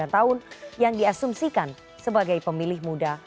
sembilan tahun yang diasumsikan sebagai pemilih muda